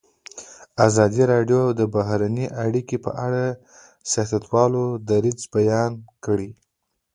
ازادي راډیو د بهرنۍ اړیکې په اړه د سیاستوالو دریځ بیان کړی.